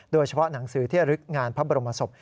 โดยเฉพาะหนังสือเที่ยวลึกงานพระบรมศพ